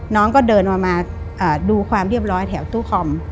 น้องก็เดินมาดูความเรียบร้อยแถวตู้คอม